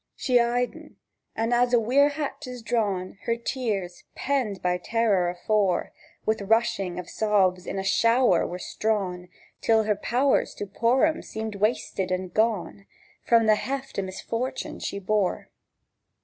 She eyed en; and, as when a weir hatch is drawn, Her tears, penned by terror afore, With a rushing of sobs in a shower were strawn, Till her power to pour 'em seemed wasted and gone From the heft o' misfortune she bore.